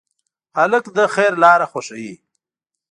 هلک د خیر لاره خوښوي.